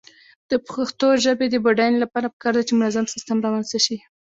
د پښتو ژبې د بډاینې لپاره پکار ده چې منظم سیسټم رامنځته شي.